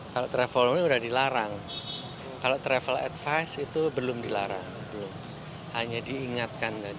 kalau travel warning sudah dilarang kalau travel advice itu belum dilarang hanya diingatkan saja